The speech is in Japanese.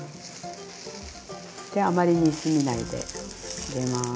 あまり煮すぎないで入れます。